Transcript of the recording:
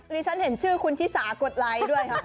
ฉันเห็นชื่อคุณชิสากดไลค์ด้วยค่ะ